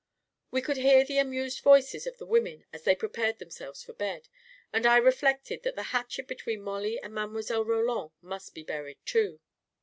We could hear the amused voices of the women as they prepared themselves for bed, and I re flected that the hatchet between Mollie and Mile. Roland must be buried, too